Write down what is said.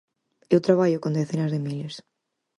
Eu traballo con decenas de miles.